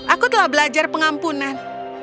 aku telah belajar pengampunan